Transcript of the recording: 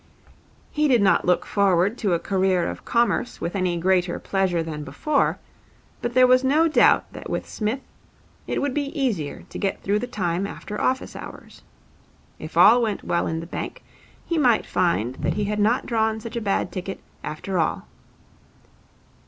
He did not look forward to a career of Commerce with any greater pleasure than before; but there was no doubt that with Psmith, it would be easier to get through the time after office hours. If all went well in the bank he might find that he had not drawn such a bad ticket after all.